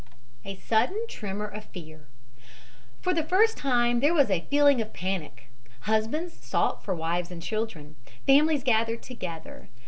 A SUDDEN TREMOR OF FEAR For the first time, there was a feeling of panic. Husbands sought for wives and children. Families gathered together.